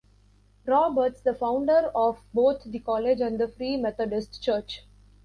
Roberts, the founder of both the college and the Free Methodist Church.